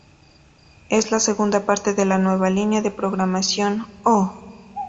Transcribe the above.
Es la segunda parte de la nueva línea de programación "Oh!